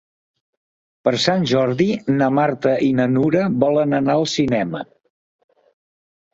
Per Sant Jordi na Marta i na Nura volen anar al cinema.